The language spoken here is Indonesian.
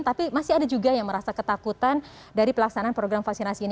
tapi masih ada juga yang merasa ketakutan dari pelaksanaan program vaksinasi ini